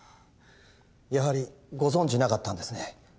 やはりご存じなかったんですね。